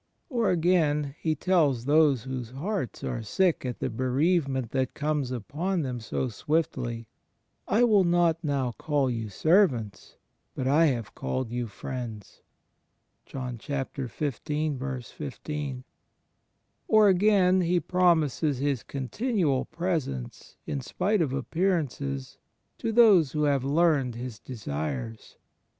^ Or again, he tells those whose hearts are sick at the bereavement that comes upon them so swiftiy, "I will not now call you servants ...; but I have called you friends." * Or again He promises His continual presence, in spite of appearances, to those who have learned His desires.